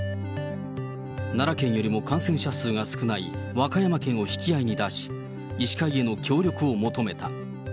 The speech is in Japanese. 奈良県よりも感染者数が少ない和歌山県を引き合いに出し、医師会への協力を求めた。